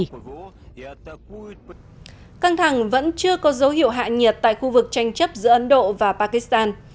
căng thẳng vẫn chưa có dấu hiệu hạ nhiệt tại khu vực tranh chấp giữa ấn độ và pakistan